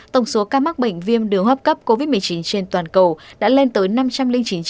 tổng số ca mắc bệnh viêm đường hấp cấp covid một mươi chín trên toàn cầu đã lên tới năm trăm linh chín bốn trăm sáu mươi ba tám mươi bảy ca